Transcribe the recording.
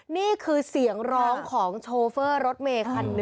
นี่คือเสียงร้องของโชเฟอร์รถเม๑๑๐๐